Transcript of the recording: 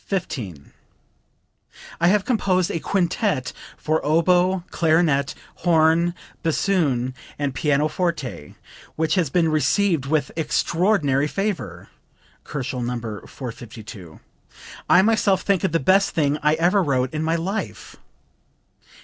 "I have composed a Quintet for Oboe, Clarinet, Horn, Bassoon and Pianoforte, which has been received with extraordinary favor. (Kochel, No. 452.) I myself think it the best thing I ever wrote in my life."